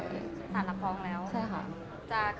อเรนนี่มีหลังไม้ไม่มี